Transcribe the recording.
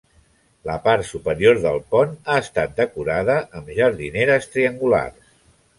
La part superior del pont ha estat decorada amb jardineres triangulars.